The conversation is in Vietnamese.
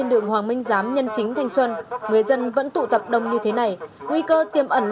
được quyết định